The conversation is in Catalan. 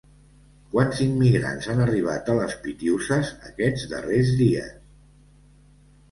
Quants immigrants han arribat a les Pitiüses aquests darrers dies?